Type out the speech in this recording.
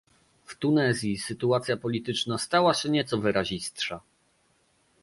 W Tunezji sytuacja polityczna stała się nieco wyrazistsza